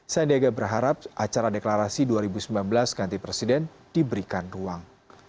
sandiaga berharap acara deklarasi dua ribu sembilan belas ganti presiden diberikan ruang